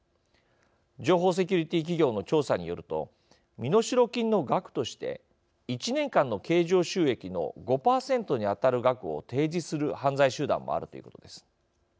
情報セキュリティー企業の調査によると、身代金の額として１年間の経常収益の５％に当たる額を提示する犯罪集団もあるということです。